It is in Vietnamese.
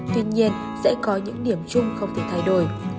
tuy nhiên sẽ có những điểm chung không thể thay đổi